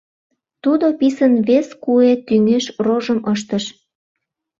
Тудо писын вес куэ тӱҥеш рожым ыштыш.